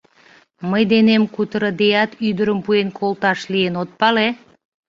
— Мый денем кутырыдеат ӱдырым пуэн колташ лийын, от пале!